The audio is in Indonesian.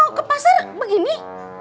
aku mau ke pasar begini